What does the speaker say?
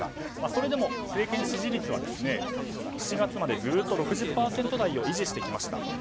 それでも政権支持率は７月までずっと６０％台を維持してきました。